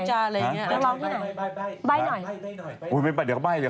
ชอบนะพี่จาเค๋อะไรอย่างเนี้ย